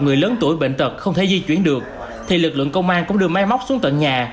người lớn tuổi bệnh tật không thể di chuyển được thì lực lượng công an cũng đưa máy móc xuống tận nhà